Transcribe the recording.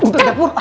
udah ke dapur